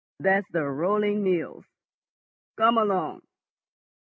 —that's the rolling mills. Come along!